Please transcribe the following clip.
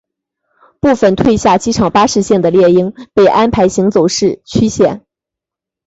部份退下机场巴士线的猎鹰被安排行走市区线。